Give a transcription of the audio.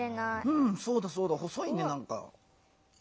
うんそうだそうだ細いねなんか。